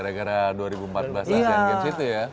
gara gara dua ribu empat belas asean games itu ya